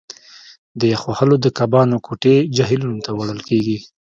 د یخ وهلو د کبانو کوټې جهیلونو ته وړل کیږي